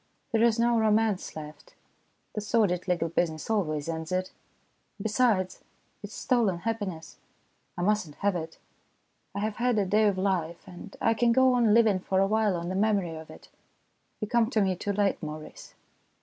There is no romance left. The sordid legal TOO SOON AND TOO LATE 193 business always ends it. Besides, it is stolen happiness. I must not have it. I have had a day of life, and I can go on living for a while on the memory of it. You come to me too late, Maurice."